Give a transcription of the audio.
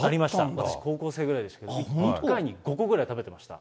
私高校生ぐらいでしたけど、１回に５個ぐらい食べてました。